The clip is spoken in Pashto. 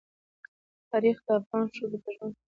تاریخ د افغان ښځو په ژوند کې رول لري.